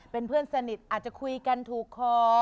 เป็นเพื่อนสนิทอาจจะคุยกันถูกคอ